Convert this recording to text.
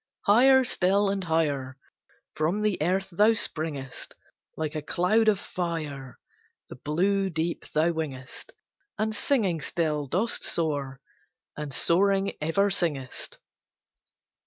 Higher still and higher From the earth thou springest: Like a cloud of fire, The blue deep thou wingest, And singing still dost soar, and soaring ever singest.